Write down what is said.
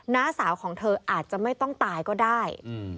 น้าสาวของเธออาจจะไม่ต้องตายก็ได้